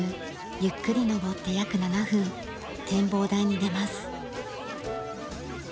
ゆっくり登って約７分展望台に出ます。